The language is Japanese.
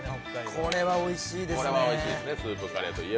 これはおいしいですね。